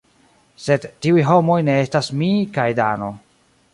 Sed tiuj homoj ne estas mi kaj Dano.